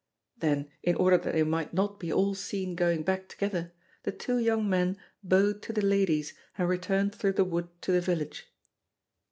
Then, in order that they might not be all seen going back together, the two young men bowed to the ladies, and returned through the wood to the village.